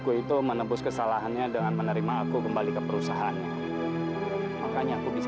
aku itu menebus kesalahannya dengan menerima aku kembali ke perusahaannya makanya aku bisa